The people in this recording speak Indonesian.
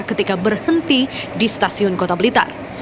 ketika berhenti di stasiun kota blitar